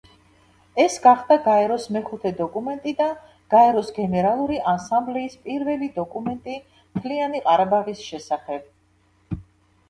ეს გახდა გაეროს მეხუთე დოკუმენტი და გაეროს გენერალური ასამბლეის პირველი დოკუმენტი მთიანი ყარაბაღის შესახებ.